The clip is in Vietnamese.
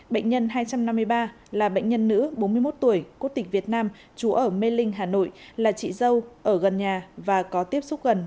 bệnh nhân hai trăm năm mươi ba là bệnh nhân nữ bốn mươi một tuổi cốt tịch đan mạch